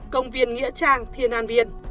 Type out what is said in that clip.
công viên nghĩa trang thiên an viên